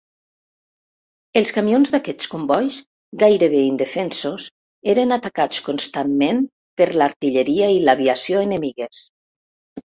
Els camions d'aquests combois, gairebé indefensos, eren atacats constantment per l'artilleria i l'aviació enemigues.